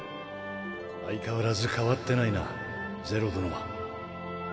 相変わらず変わってないな是露殿は。